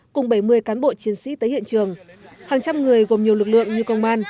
cùng bảy mươi cán bộ chiến sĩ tới hiện trường hàng trăm người gồm nhiều lực lượng như công an